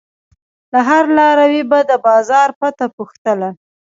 له هر لاروي به د بازار پته پوښتله.